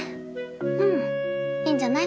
うんいいんじゃない？